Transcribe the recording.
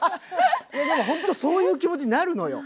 でも本当そういう気持ちになるのよ。